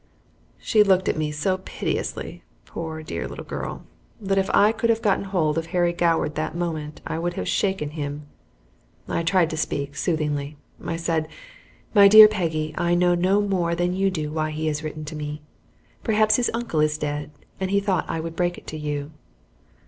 She looked at me so piteously, poor, dear little girl! that if I could have gotten hold of Harry Goward that moment I would have shaken him. I tried to speak, soothingly. I said: "My dear Peggy, I know no more than you do why he has written to me. Perhaps his uncle is dead and he thought I would break it to you."